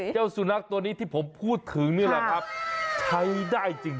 เจ้าสุนัขตัวนี้ที่ผมพูดถึงนี่แหละครับใช้ได้จริง